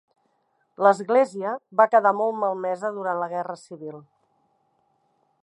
L'església va quedar molt malmesa durant la Guerra Civil.